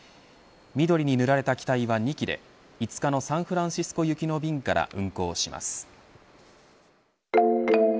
緑に塗られた機体は２機で５日のサンフランシスコ行きの便から運航します。